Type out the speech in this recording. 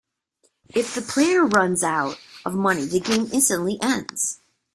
If the player runs out of money, the game instantly ends.